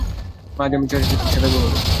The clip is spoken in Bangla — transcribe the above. মা, আজ আমি চাচার সাথে ছাদে ঘুমাবো?